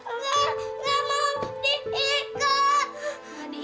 enggak enggak mau diiket